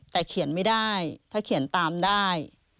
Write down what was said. แต่เขียนไม่ได้ถ้าเขียนตามได้